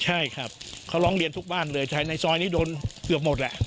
ใช่ครับเขาร้องเรียนทุกบ้านเลยในซอยนี้โดนเกือบหมดแหละ